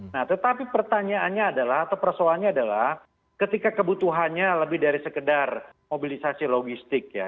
nah tetapi pertanyaannya adalah atau persoalannya adalah ketika kebutuhannya lebih dari sekedar mobilisasi logistik ya